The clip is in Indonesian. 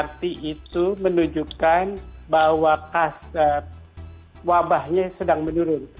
rt itu menunjukkan bahwa kas wabahnya sedang menurun